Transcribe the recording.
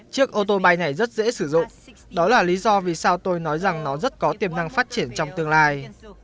chiếc ô tô bay này rất dễ sử dụng đó là lý do vì sao tôi nói rằng nó rất có tiềm năng phát triển trong tương lai